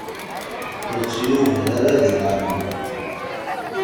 Ur tt-yugar ara di leɛmer.